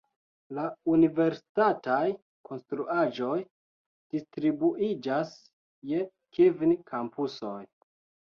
La universitataj konstruaĵoj distribuiĝas je kvin kampusoj.